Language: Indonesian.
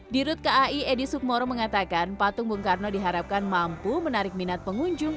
di rut kai edy sukmoro mengatakan patung bung karno diharapkan mampu menarik minat pengunjung